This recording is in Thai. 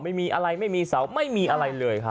ไม่มีอะไรไม่มีเสาไม่มีอะไรเลยครับ